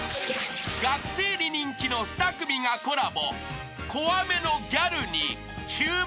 ［学生に人気の２組がコラボ］